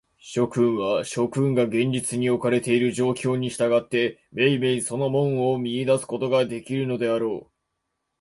諸君は、諸君が現実におかれている状況に従って、めいめいその門を見出すことができるであろう。